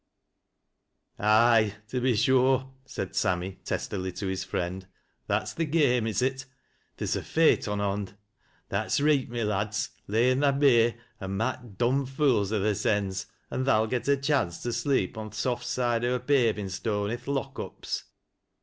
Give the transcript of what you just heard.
" Aye, to be sure !" said Sammy testily to his friend. " That's th' game is it ? Theer's a f eight on bond. That's reet, my lads, lay in thy beer, an' mak' dom'd fool's o' thysens, an' tha'lt get a chance to sleep on th' soft side o' a paving stone i' th' lock ups."